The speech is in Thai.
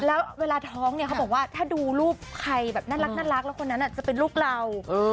แล้วเวลาท้องเนี่ยเขาบอกว่าถ้าดูรูปใครแบบน่ารักแล้วคนนั้นจะเป็นลูกเรา